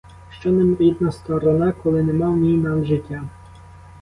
Що нам рідна сторона, коли нема в ній нам життя!